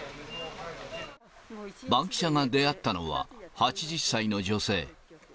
バンキシャが出会ったのは、８０歳の女性。